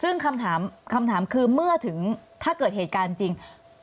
ซึ่งคำถามคำถามคือเมื่อถึงถ้าเกิดเหตุการณ์จริง